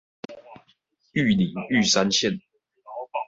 玉里玉山線